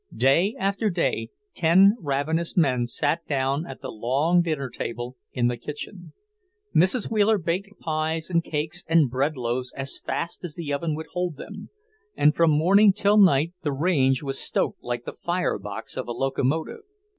Day after day ten ravenous men sat down at the long dinner table in the kitchen. Mrs. Wheeler baked pies and cakes and bread loaves as fast as the oven would hold them, and from morning till night the range was stoked like the fire box of a locomotive.